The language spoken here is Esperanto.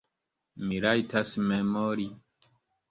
Mi rajtas memori.